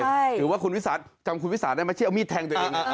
หรือว่าคุณวิสาจำคุณวิสาได้ไหมที่เอามีดแทงตัวเอง